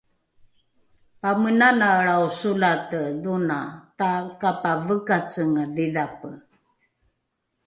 pamenanaelrao solate dhona takapavekacenga dhidhape